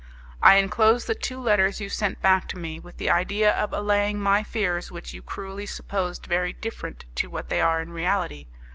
I enclose the two letters you sent back to me, with the idea of allaying my fears which you cruelly supposed very different to what they are in reality.